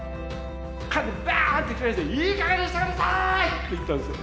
バーンといきなり倒して「いいかげんにして下さい！」って言ったんですよ。